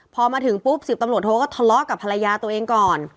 พอมาถึงปุ๊บ๑๐ตำรวจโทก็ทะเลาะกับภรรยาตัวเองก่อน